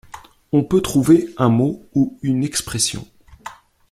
On peut trouver un mot ou une expression.